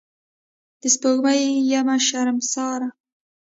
د سپوږمۍ یم شرمساره